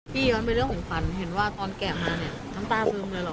พี่ย้อนในเรื่องหงส์ฝันเห็นว่าตอนแกะมาเนี่ย